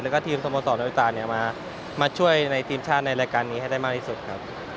แล้วก็ทีมสโมสรวิตามาช่วยในทีมชาติในรายการนี้ให้ได้มากที่สุดครับ